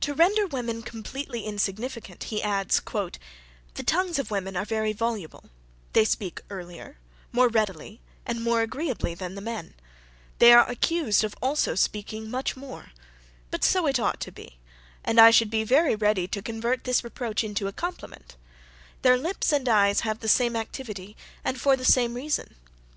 To render women completely insignificant, he adds, "The tongues of women are very voluble; they speak earlier, more readily, and more agreeably than the men; they are accused also of speaking much more: but so it ought to be, and I should be very ready to convert this reproach into a compliment; their lips and eyes have the same activity, and for the same reason.